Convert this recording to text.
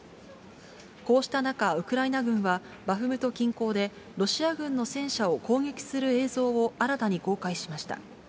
こうした中、ウクライナ軍は、バフムト近郊で、ロシア軍の戦車を攻撃する映像を新たに公開しました。